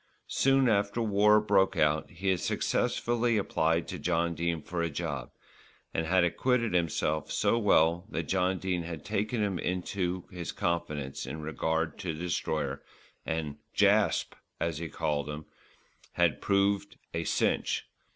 Soon after war broke out he had successfully applied to John Dene for a job, and had acquitted himself so well that John Dene had taken him into his confidence in regard to the Destroyer, and "Jasp," as he called him, had proved "a cinch."